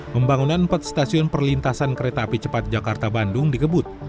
pembangunan empat stasiun perlintasan kereta api cepat jakarta bandung dikebut